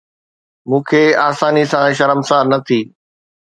مون کي آساني سان شرمسار نه ٿي